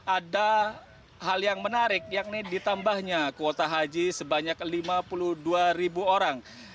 ada hal yang menarik yakni ditambahnya kuota haji sebanyak lima puluh dua ribu orang